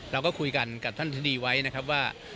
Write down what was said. เราก็คุยกันกับท่านทดีไว้นะครับว่า